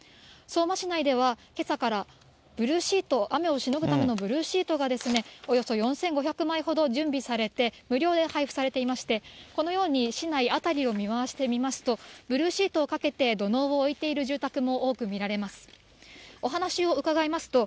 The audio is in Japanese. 相馬市内ではけさからブルーシートを、雨をしのぐためのブルーシートがおよそ４５００枚ほど準備されて、無料で配布されていまして、このように市内辺りを見回してみますと、ブルーシートをかけて土のうを置いている住宅も多く見られます。